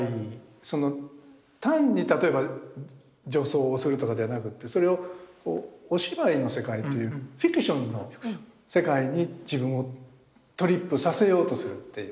その単に例えば女装をするとかではなくってそれをお芝居の世界というフィクションの世界に自分をトリップさせようとするっていう。